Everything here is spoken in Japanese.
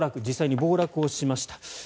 実際に暴落しました。